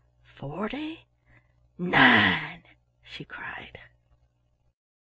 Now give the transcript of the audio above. "FORTY NINE!" she cried.